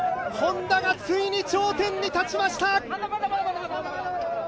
Ｈｏｎｄａがついに頂点に立ちました。